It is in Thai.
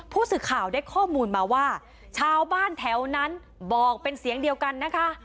ผู้สื่อข่าวได้ข้อมูลมาว่าชาวบ้านแถวนั้นบอกเป็นเสียงเดียวกันนะคะ